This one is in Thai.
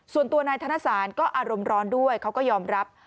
ส่วนตัวนายธนสารก็อารมณ์ร้อนด้วยเขาก็ยอมรับ